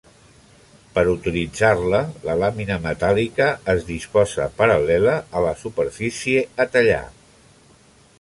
Per utilitzar-la la làmina metàl·lica es disposa paral·lela a la superfície a tallar.